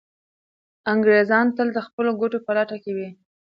انګریزان تل د خپلو ګټو په لټه کي وي.